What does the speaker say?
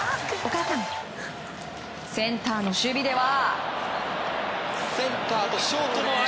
センターの守備では。